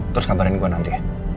terus kabarin gue nanti